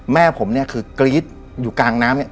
แม่ผมเนี่ยคือกรี๊ดอยู่กลางน้ำเนี่ย